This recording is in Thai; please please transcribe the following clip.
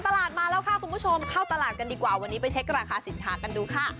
ตลาดมาแล้วค่ะคุณผู้ชมเข้าตลาดกันดีกว่าวันนี้ไปเช็คราคาสินค้ากันดูค่ะ